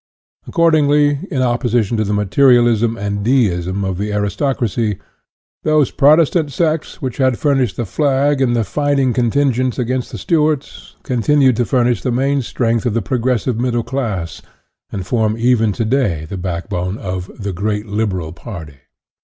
Accord ingly, in opposition to the materialism and deism of the aristocracy, those Protestant sects which had furnished the flag and the fighting contin gent against the Stuarts, continued to furnish the main strength of the progressive middle class, and form even to day the backbone of "the Great Liberal Party."